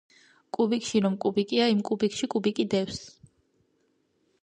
კუბიკში რომ კუბიკია, იმ კუბიკში კუბიკი დევს